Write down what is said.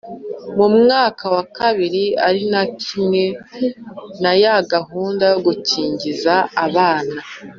mu mwaka wa kabiri ari kimwe na ya gahunda yo gukikiza abana